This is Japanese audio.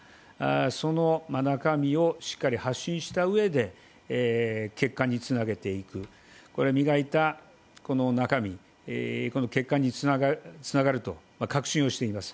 その中身をしっかり発信したうえで、結果につなげていく、磨いた中身、結果につながると確信をしています。